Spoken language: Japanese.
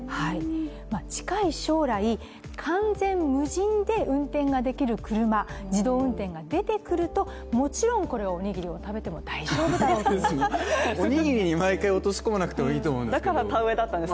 近い将来、完全無人で運転ができる車自動運転が出てくると、もちろんこれは、おにぎりを食べても大丈夫だろうという。